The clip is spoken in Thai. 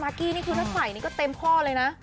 มารกี้นี่ถ้าใส่หมดเองก็เป็นเรื่องเต็มค่อนข้อ